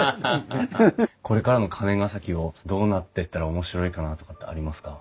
これからの金ケ崎をどうなってったら面白いかなとかってありますか？